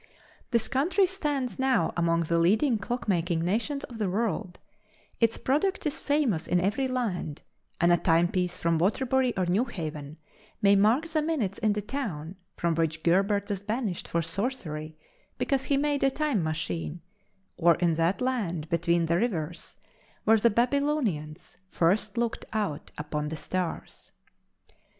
This country stands now among the leading clock making nations of the world; its product is famous in every land and a timepiece from Waterbury or New Haven may mark the minutes in the town from which Gerbert was banished for sorcery because he made a time machine, or in that land between the rivers where the Babylonians first looked out upon the stars.